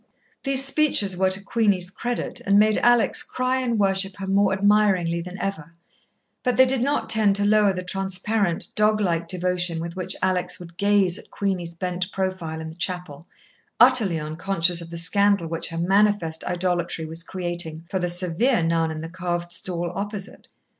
These speeches were to Queenie's credit, and made Alex cry and worship her more admiringly than ever, but they did not tend to lower the transparent, doglike devotion with which Alex would gaze at Queenie's bent profile in the chapel, utterly unconscious of the scandal which her manifest idolatry was creating for the severe nun in the carved stall opposite.